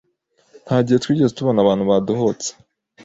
"nta gihe twigeze tubona abantu badohotse,